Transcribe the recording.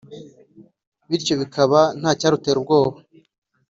bityo hakaba nta cyarutera ubwoba